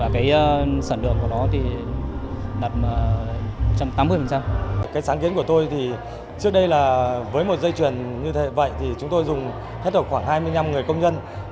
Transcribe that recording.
cái sáng kiến của tôi thì trước đây là với một dây chuyển như vậy thì chúng tôi dùng hết khoảng hai mươi năm người công nhân